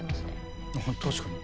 確かに。